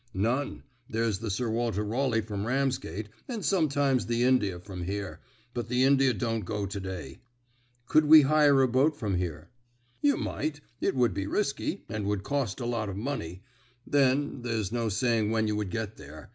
"None. There's the Sir Walter Raleigh from Ramsgate, and sometimes the India from here; but the India don't go to day." "Could we hire a boat from here?" "You might, but it would be risky, and would cost a lot of money. Then, there's no saying when you would get there.